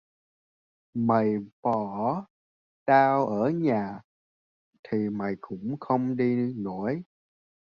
Mày bỏ tao ở nhà thì mày cũng không đi nổi